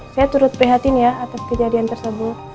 saya turut prihatin ya atas kejadian tersebut